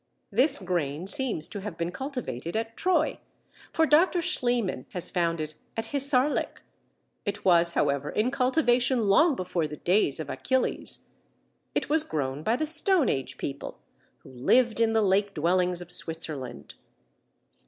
This grain seems to have been cultivated at Troy, for Dr. Schliemann has found it at Hissarlik. It was, however, in cultivation long before the days of Achilles; it was grown by the Stone Age people, who lived in the lake dwellings of Switzerland.